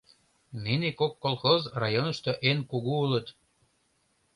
Нине кок колхоз районышто эн кугу улыт.